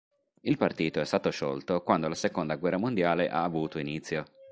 Il partito è stato sciolto quando la seconda guerra mondiale ha avuto inizio.